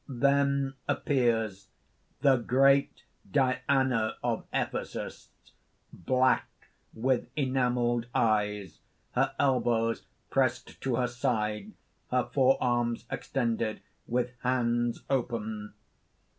_) (Then appears:) THE GREAT DIANA OF EPHESUS (_black with enamelled eyes, her elbows pressed to her side, her forearms extended, with hands open.